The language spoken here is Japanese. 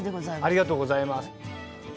ありがとうございます。